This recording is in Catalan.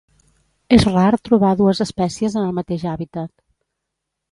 És rar trobar dues espècies en el mateix hàbitat.